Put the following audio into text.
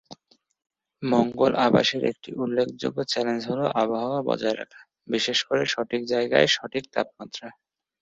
মঙ্গল আবাসের একটি উল্লেখযোগ্য চ্যালেঞ্জ হলো আবহাওয়া বজায় রাখা, বিশেষ করে সঠিক জায়গায় সঠিক তাপমাত্রা।